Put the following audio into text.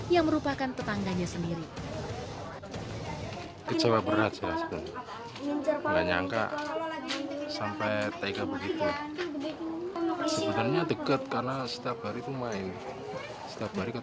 yang merupakan pembunuhan yang terlalu berharga